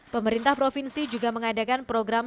pemerintah provinsi juga mengadakan program